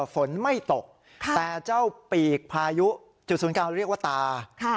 ฝนไม่ตกแต่เจ้าปีกพายุจุดศูนย์กลางเรียกว่าตา